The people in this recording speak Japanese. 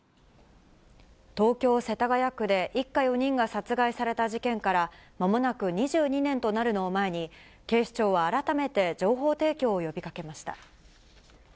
東京・世田谷区で一家４人が殺害された事件からまもなく２２年となるのを前に、警視庁は改めて情報提供を呼びかけました。